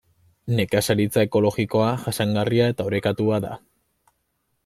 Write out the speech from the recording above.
Nekazaritza ekologikoa jasangarria eta orekatua da.